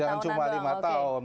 jangan cuma lima tahun